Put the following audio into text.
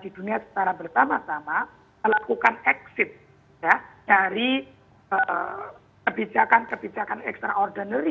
di dunia secara bersama sama melakukan exit dari kebijakan kebijakan extraordinary